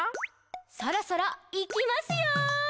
「そろそろ、いきますよ！」